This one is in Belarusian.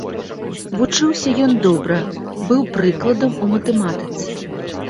Вучыўся ён добра, быў прыкладам у матэматыцы.